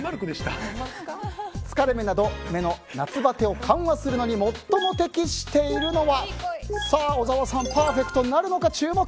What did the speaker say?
疲れ目など目の夏バテを緩和するのに最も適しているのは小沢さん、パーフェクトなるのか。